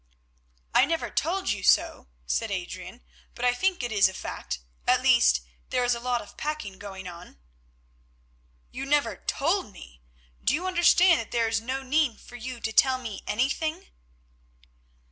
"I never told you so," said Adrian, "but I think it is a fact; at least there is a lot of packing going on." "You never told me! Do you not understand that there is no need for you to tell me anything?"